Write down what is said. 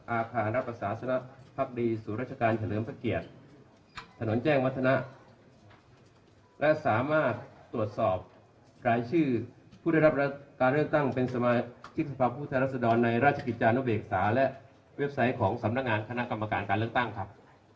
อาคารรับประสาสนพักดีศูนย์ราชการเฉลิมพระเกียรติถนนแจ้งวัฒนะและสามารถตรวจสอบรายชื่อผู้ได้รับการเลือกตั้งเป็นสมาชิกสภาพผู้แทนรัศดรในราชกิจจานุเบกษาและเว็บไซต์ของสำนักงานคณะกรรมการการเลือกตั้งครับ